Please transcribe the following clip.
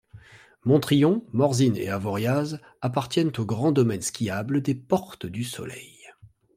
Montriond, Morzine et Avoriaz appartiennent au grand domaine skiable des Portes du Soleil.